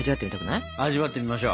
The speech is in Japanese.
いってみましょう！